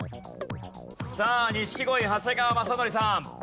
さあ錦鯉長谷川雅紀さん。